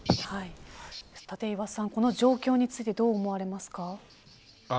立岩さん、この状況についてどう思われますか。